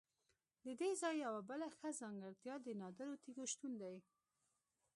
ددې ځای یوه بله ښه ځانګړتیا د نادرو تیږو شتون دی.